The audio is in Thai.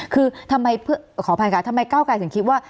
คือทำไมเก้าไปถึงคิดว่า